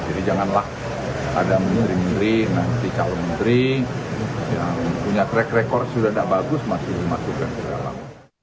jadi janganlah ada menteri menteri nanti kau menteri yang punya track record sudah tidak bagus masih dimasukkan ke dalam